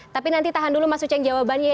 tapi nanti tahan dulu mas ucheng jawabannya